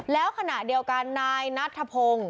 แล้วขณะเดียวกันนายนัทธพงศ์